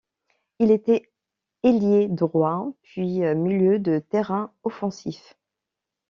Il était ailier droit puis milieu de terrain offensif.